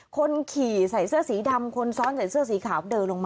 ค่ะ